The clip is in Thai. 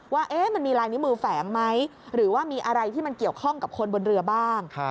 ว่ามันมีลายนิ้วมือแฝงไหมหรือว่ามีอะไรที่มันเกี่ยวข้องกับคนบนเรือบ้าง